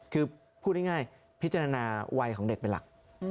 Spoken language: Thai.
คือพูดง่ายพิจารณาวัยของเด็กเป็นหลัก